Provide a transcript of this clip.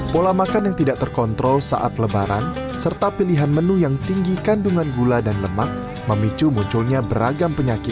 pola makan yang tidak terkontrol saat lebaran serta pilihan menu yang tinggi kandungan gula dan lemak memicu munculnya beragam penyakit